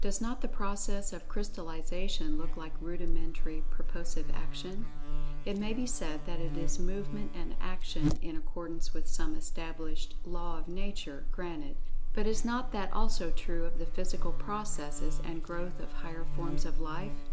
Does not the process of crystallization look like rudimentary purposive action? It may be said that it is movement and action in accordance with some established "Law of Nature"—granted, but is not that also true of the physical processes and growth of higher forms of life?